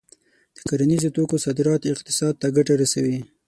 د کرنیزو توکو صادرات اقتصاد ته ګټه رسوي.